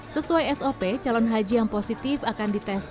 sesuai sop calon haji yang positif akan dites